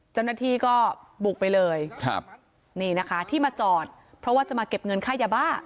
เจ้าหน้าที่ก็บุกไปเลยครับนี่นะคะที่มาจอดเพราะว่าจะมาเก็บเงินค่ายาบ้า